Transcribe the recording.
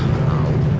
lama banget sih mereka